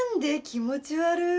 気持ち悪ぅ。